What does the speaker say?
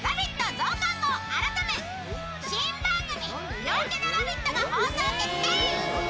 増刊号改め新番組「夜明けのラヴィット！」が放送決定。